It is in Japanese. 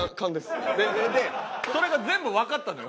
それが全部わかったのよ。